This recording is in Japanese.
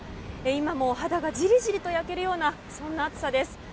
今も肌がじりじりと焼けるようなそんな暑さです。